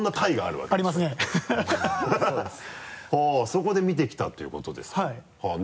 そこでみてきたということですかはい。